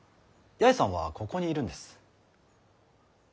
八重さんはここにいるんです。